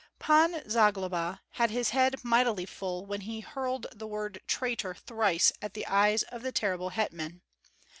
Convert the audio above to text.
Pan Zagloba had his head mightily full when he hurled the word "traitor" thrice at the eyes of the terrible hetman.